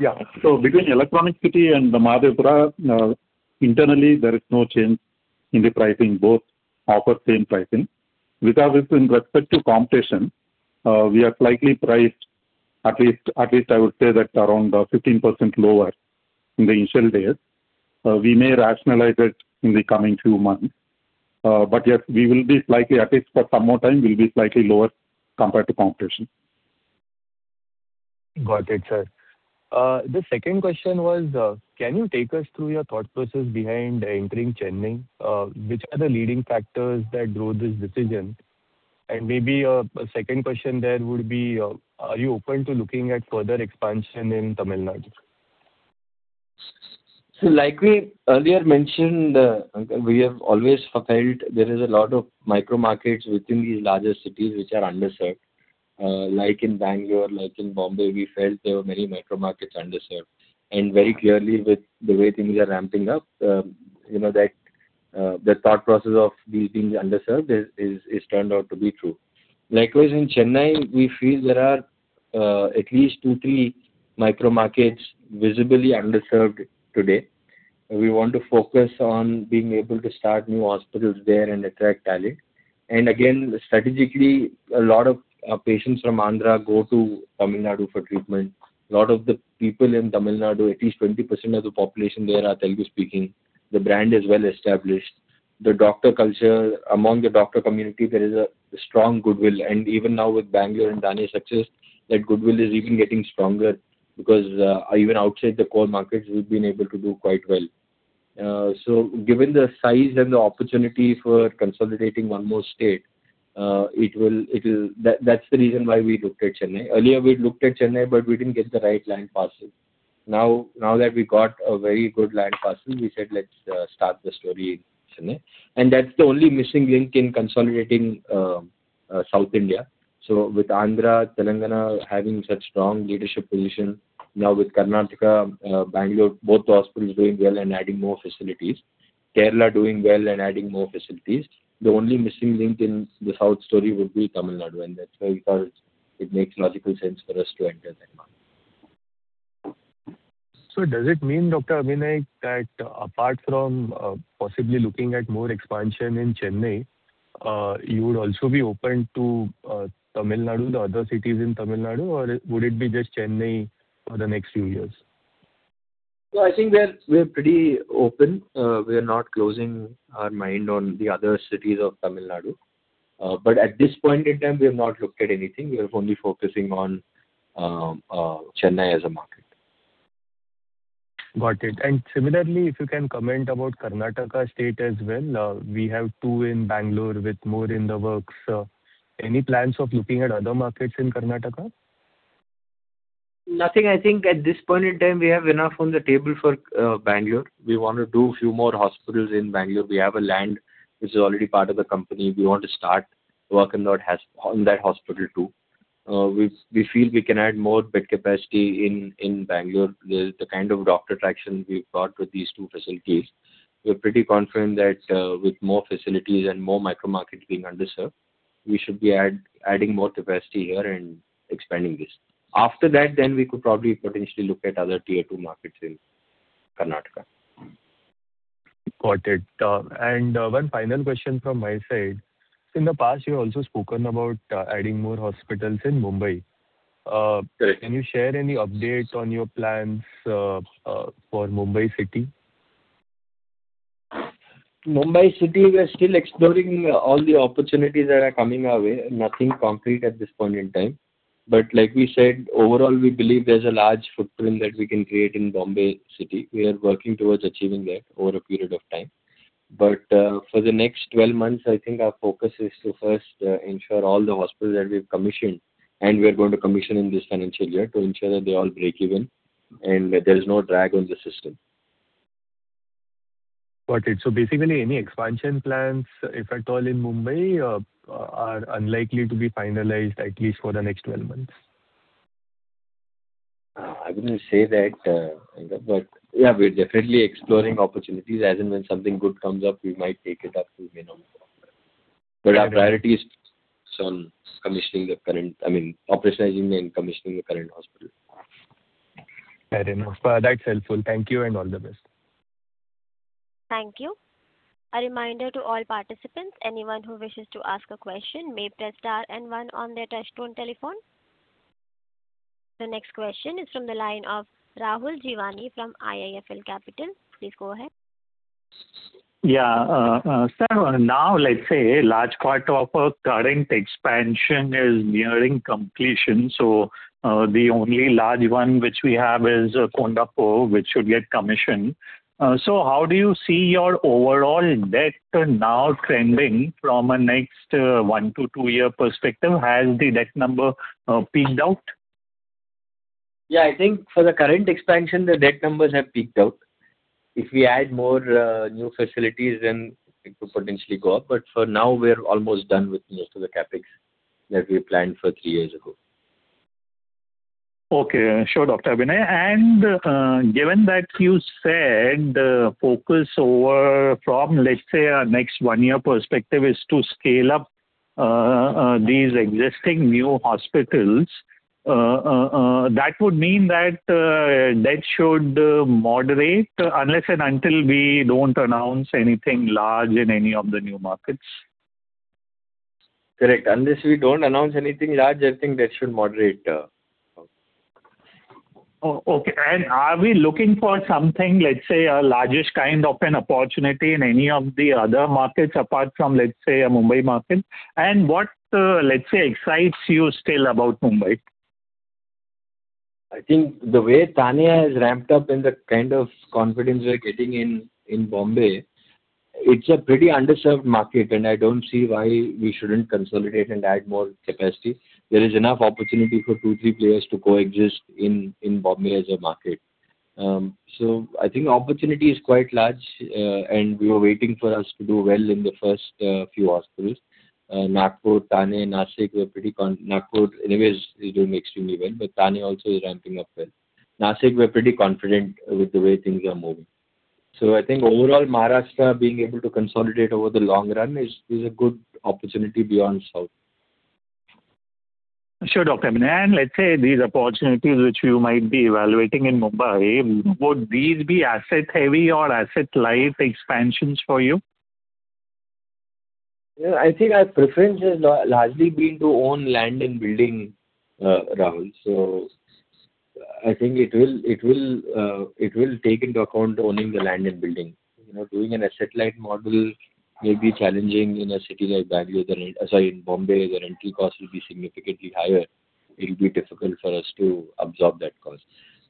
Yeah. So between Electronic City and Mahadevapura, internally, there is no change in the pricing. Both offer same pricing. With respect to competition, we are slightly priced, at least I would say that around 15% lower in the initial days. We may rationalize it in the coming few months. But yes, we will be slightly, at least for some more time, we'll be slightly lower compared to competition. Got it, sir. The second question was, can you take us through your thought process behind entering Chennai? Which are the leading factors that drove this decision? And maybe a second question there would be, are you open to looking at further expansion in Tamil Nadu? So like we earlier mentioned, we have always felt there is a lot of micro markets within these larger cities which are underserved. Like in Bangalore, like in Bombay, we felt there were many micro markets underserved. And very clearly, with the way things are ramping up, the thought process of these being underserved has turned out to be true. Likewise, in Chennai, we feel there are at least two, three micro markets visibly underserved today. We want to focus on being able to start new hospitals there and attract talent. And again, strategically, a lot of patients from Andhra go to Tamil Nadu for treatment. A lot of the people in Tamil Nadu, at least 20% of the population there are Telugu-speaking. The brand is well established. Among the doctor community, there is a strong goodwill. And even now with Bangalore and Thane's success, that goodwill is even getting stronger because even outside the core markets, we've been able to do quite well. So given the size and the opportunity for consolidating one more state, that's the reason why we looked at Chennai. Earlier, we looked at Chennai, but we didn't get the right land parcel. Now that we got a very good land parcel, we said, "Let's start the story in Chennai." And that's the only missing link in consolidating South India. So with Andhra, Telangana having such strong leadership position, now with Karnataka, Bangalore, both hospitals doing well and adding more facilities, Kerala doing well and adding more facilities, the only missing link in the South story would be Tamil Nadu. And that's why we thought it makes logical sense for us to enter that market. So does it mean, Dr. Abhinay, that apart from possibly looking at more expansion in Chennai, you would also be open to Tamil Nadu, the other cities in Tamil Nadu, or would it be just Chennai for the next few years? I think we are pretty open. We are not closing our mind on the other cities of Tamil Nadu. At this point in time, we have not looked at anything. We are only focusing on Chennai as a market. Got it. And similarly, if you can comment about Karnataka state as well, we have two in Bangalore with more in the works. Any plans of looking at other markets in Karnataka? Nothing. I think at this point in time, we have enough on the table for Bangalore. We want to do a few more hospitals in Bangalore. We have a land which is already part of the company. We want to start work on that hospital too. We feel we can add more bed capacity in Bangalore. The kind of doctor traction we've got with these two facilities, we're pretty confident that with more facilities and more micro markets being underserved, we should be adding more capacity here and expanding this. After that, then we could probably potentially look at other tier two markets in Karnataka. Got it. One final question from my side. In the past, you have also spoken about adding more hospitals in Mumbai. Can you share any update on your plans for Mumbai City? Mumbai City, we are still exploring all the opportunities that are coming our way. Nothing concrete at this point in time. But like we said, overall, we believe there's a large footprint that we can create in Bombay City. We are working towards achieving that over a period of time. But for the next 12 months, I think our focus is to first ensure all the hospitals that we've commissioned, and we are going to commission in this financial year, to ensure that they all break even and there is no drag on the system. Got it. So basically, any expansion plans, if at all, in Mumbai are unlikely to be finalized, at least for the next 12 months? I wouldn't say that. But yeah, we're definitely exploring opportunities. As in when something good comes up, we might take it up to minimum. But our priority is on commissioning the current I mean, operationalizing and commissioning the current hospital. Fair enough. That's helpful. Thank you and all the best. Thank you. A reminder to all participants, anyone who wishes to ask a question may press star and one on their touchtone telephone. The next question is from the line of Rahul Jeewani from IIFL Capital. Please go ahead. Yeah. Sir, now, let's say a large part of our current expansion is nearing completion. So the only large one which we have is Kondapur, which should get commissioned. So how do you see your overall debt now trending from a next one-two year perspective? Has the debt number peaked out? Yeah. I think for the current expansion, the debt numbers have peaked out. If we add more new facilities, then it could potentially go up. But for now, we're almost done with most of the CapEx that we planned for three years ago. Okay. Sure, Dr. Abhinay. Given that you said focus over from, let's say, a next one-year perspective is to scale up these existing new hospitals, that would mean that debt should moderate unless and until we don't announce anything large in any of the new markets. Correct. Unless we don't announce anything large, I think debt should moderate. Okay. And are we looking for something, let's say, a largest kind of an opportunity in any of the other markets apart from, let's say, a Mumbai market? And what, let's say, excites you still about Mumbai? I think the way Thane has ramped up in the kind of confidence we're getting in Bombay, it's a pretty underserved market. And I don't see why we shouldn't consolidate and add more capacity. There is enough opportunity for two, three players to coexist in Bombay as a market. So I think opportunity is quite large. And we are waiting for us to do well in the first few hospitals: Nagpur, Thane, Nashik. Anyways, we're doing extremely well. But Thane also is ramping up well. Nashik, we're pretty confident with the way things are moving. So I think overall, Maharashtra being able to consolidate over the long run is a good opportunity beyond south. Sure, Dr. Abhinay. Let's say these opportunities which you might be evaluating in Mumbai, would these be asset-heavy or asset-light expansions for you? I think our preference has largely been to own land and building, Rahul. So I think it will take into account owning the land and building. Doing an asset-light model may be challenging in a city like Bangalore than sorry, in Bombay, the rental cost will be significantly higher. It'll be difficult for us to absorb that cost.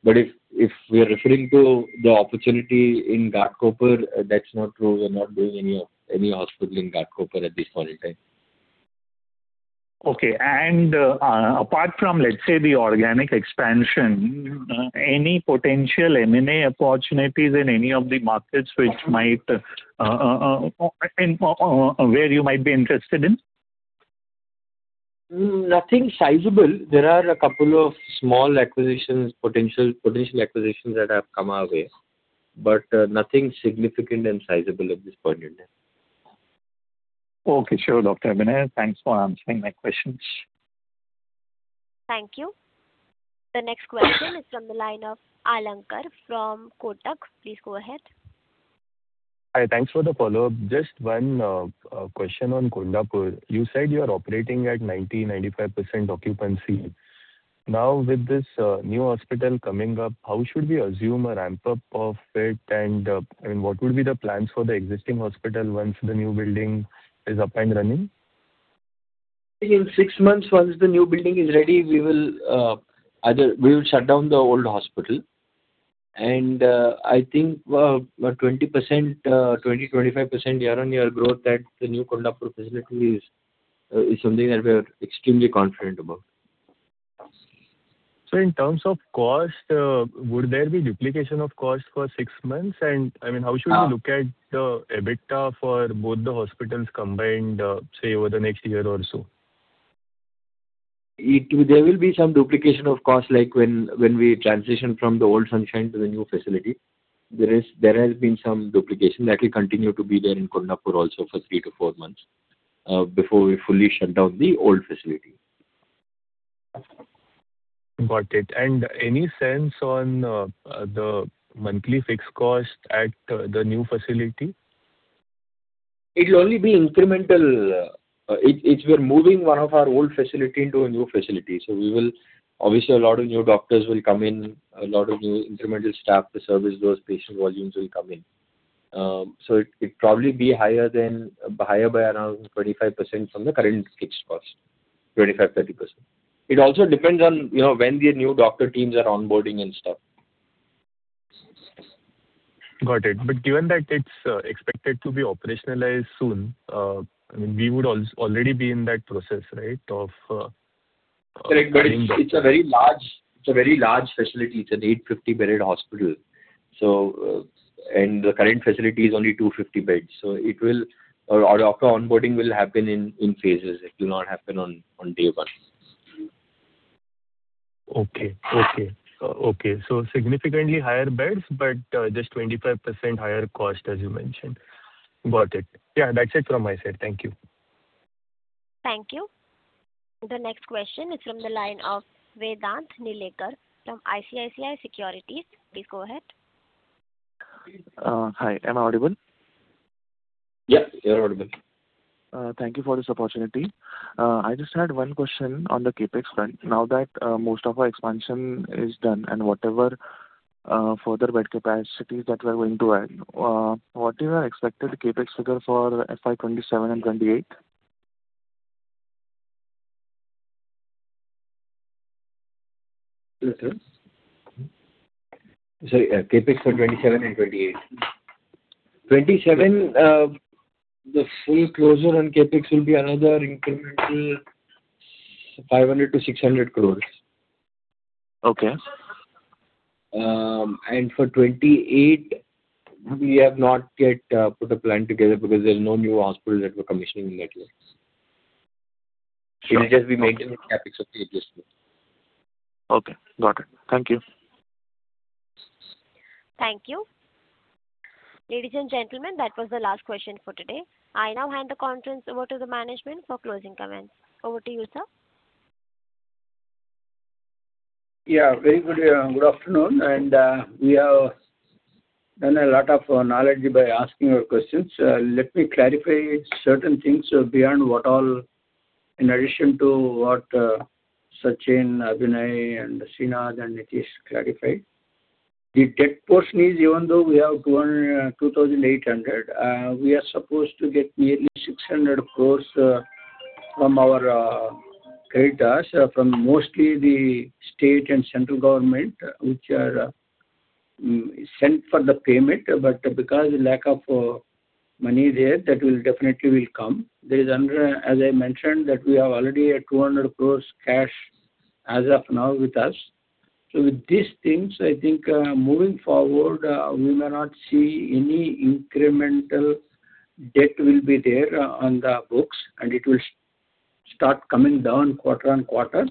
But if we are referring to the opportunity in Ghatkopar, that's not true. We're not doing any hospital in Ghatkopar at this point in time. Okay. Apart from, let's say, the organic expansion, any potential M&A opportunities in any of the markets which might where you might be interested in? Nothing sizable. There are a couple of small acquisitions, potential acquisitions that have come our way, but nothing significant and sizable at this point in time. Okay. Sure, Dr. Abhinay. Thanks for answering my questions. Thank you. The next question is from the line of Alankar from Kotak. Please go ahead. Hi. Thanks for the follow-up. Just one question on Kondapur. You said you are operating at 90%-95% occupancy. Now, with this new hospital coming up, how should we assume a ramp-up of it? And what would be the plans for the existing hospital once the new building is up and running? In six months, once the new building is ready, we will either shut down the old hospital. I think 20%-25% year-on-year growth at the new Kondapur facility is something that we are extremely confident about. In terms of cost, would there be duplication of cost for six months? I mean, how should we look at the EBITDA for both the hospitals combined, say, over the next year or so? There will be some duplication of cost. Like when we transition from the old Sunshine to the new facility, there has been some duplication. That will continue to be there in Kondapur also for three-four months before we fully shut down the old facility. Got it. And any sense on the monthly fixed cost at the new facility? It'll only be incremental. We are moving one of our old facilities into a new facility. So obviously, a lot of new doctors will come in, a lot of new incremental staff to service those patient volumes will come in. So it'll probably be higher by around 25% from the current fixed cost, 25%-30%. It also depends on when the new doctor teams are onboarding and stuff. Got it. But given that it's expected to be operationalized soon, I mean, we would already be in that process, right, of arranging? Correct. But it's a very large facility. It's an 850-bedded hospital. And the current facility is only 250 beds. So our onboarding will happen in phases. It will not happen on day one. Okay. Okay. Okay. So significantly higher beds, but just 25% higher cost, as you mentioned. Got it. Yeah. That's it from my side. Thank you. Thank you. The next question is from the line of Vedant Nilekar from ICICI Securities. Please go ahead. Hi. Am I audible? Yep. You're audible. Thank you for this opportunity. I just had one question on the CapEx front. Now that most of our expansion is done and whatever further bed capacities that we are going to add, what is our expected CapEx figure for FY 2027 and 2028? Sorry. CapEx for 2027 and 2028. 2027, the full closure on CapEx will be another incremental 500-600 crore. And for 2028, we have not yet put a plan together because there's no new hospitals that we're commissioning in that year. It'll just be maintenance CapEx of the existing. Okay. Got it. Thank you. Thank you. Ladies and gentlemen, that was the last question for today. I now hand the conference over to the management for closing comments. Over to you, sir. Yeah. Very good afternoon. We have done a lot of knowledge by asking your questions. Let me clarify certain things beyond what all, in addition to what Sachin, Abhinay, and Srinath and Nitesh clarified. The debt portion is, even though we have 2,800, we are supposed to get nearly 600 crore from our creditors from mostly the state and central government, which are sent for the payment. But because of the lack of money there, that will definitely come. As I mentioned, we have already 200 crore cash as of now with us. So with these things, I think moving forward, we may not see any incremental debt will be there on the books, and it will start coming down quarter-over-quarter.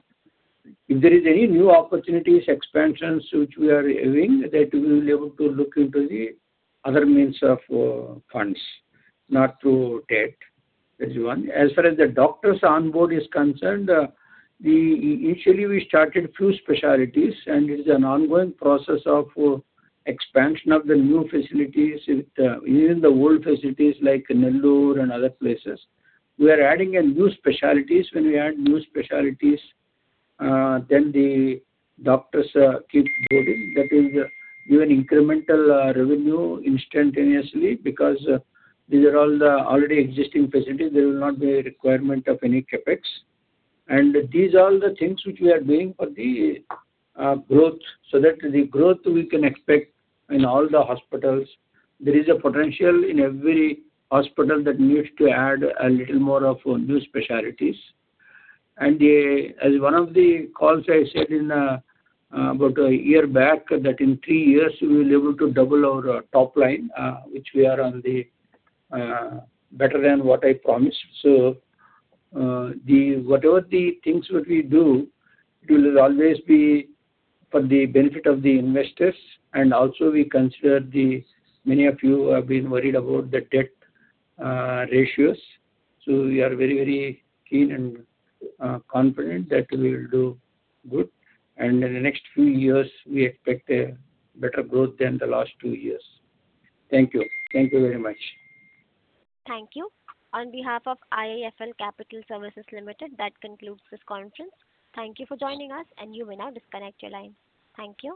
If there are any new opportunities, expansions which we are having, that we will be able to look into the other means of funds, not through debt. That's one. As far as the doctors onboard is concerned, initially, we started few specialties, and it's an ongoing process of expansion of the new facilities even in the old facilities like Nellore and other places. We are adding new specialties. When we add new specialties, then the doctors keep boarding. That will give an incremental revenue instantaneously because these are all the already existing facilities. There will not be a requirement of any CapEx. And these are all the things which we are doing for the growth so that the growth we can expect in all the hospitals. There is a potential in every hospital that needs to add a little more of new specialties. As one of the calls I said about a year back, that in three years, we will be able to double our top line, which we are on the better than what I promised. Whatever the things that we do, it will always be for the benefit of the investors. And also, we consider the many of you have been worried about the debt ratios. We are very, very keen and confident that we will do good. And in the next few years, we expect better growth than the last two years. Thank you. Thank you very much. Thank you. On behalf of IIFL Capital Services Limited, that concludes this conference. Thank you for joining us, and you may now disconnect your line. Thank you.